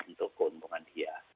itu keuntungan dia